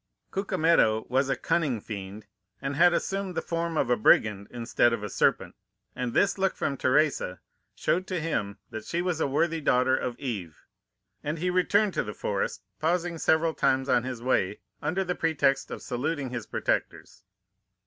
"Cucumetto was a cunning fiend, and had assumed the form of a brigand instead of a serpent, and this look from Teresa showed to him that she was a worthy daughter of Eve, and he returned to the forest, pausing several times on his way, under the pretext of saluting his protectors.